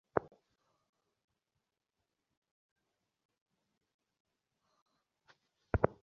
এ সম্বন্ধে আমাদের তো তেমন জোর খাটিবে না।